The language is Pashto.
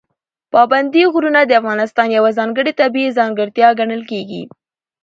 پابندي غرونه د افغانستان یوه ځانګړې طبیعي ځانګړتیا ګڼل کېږي.